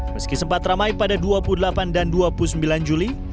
meski sempat ramai pada dua puluh delapan dan dua puluh sembilan juli